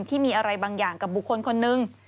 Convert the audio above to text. ที่มีอะไรบางอย่างกับบุคคลคนนึง